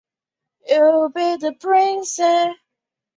一般是将玉米笋中的玉米及软的玉米秆一起吃。